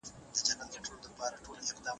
د ټولنې راتلونکی زموږ په لاس کې دی.